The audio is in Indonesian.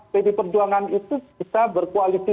pdi perjuangan itu bisa berkoalisi